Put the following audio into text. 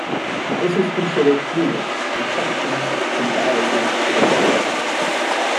This is considered humorous and often embarrassing for the subject.